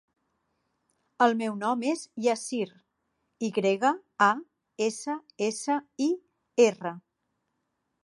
El meu nom és Yassir: i grega, a, essa, essa, i, erra.